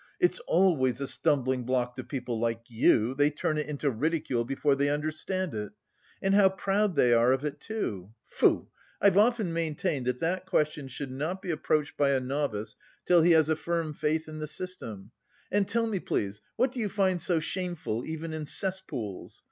It's always a stumbling block to people like you, they turn it into ridicule before they understand it. And how proud they are of it, too! Tfoo! I've often maintained that that question should not be approached by a novice till he has a firm faith in the system. And tell me, please, what do you find so shameful even in cesspools?